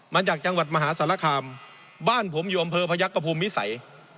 มาจากจังหวัดมหาสารคามบ้านผมอยู่อำเภอพยักษภูมิวิสัย